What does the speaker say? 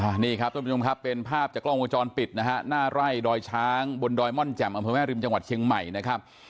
อันนี้ครับท่านผู้ชมครับเป็นภาพจากกล้องวงจรปิดนะฮะหน้าไร่ดอยช้างบนดอยม่อนแจ่มอำเภอแม่ริมจังหวัดเชียงใหม่นะครับ